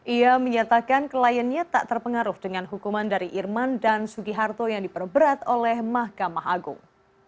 ia menyatakan kliennya tak terpengaruh dengan hukuman dari irman dan sugiharto yang diperberat oleh mahkamah agung